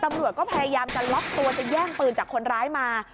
ตำรวจก็พยายามจะล็อกตัวจะแย่งปืนจากคนร้ายมา